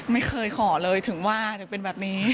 ไม่เคยขอเลยถึงว่าถึงเป็นแบบนี้